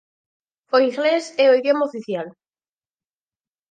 O inglés é o idioma oficial.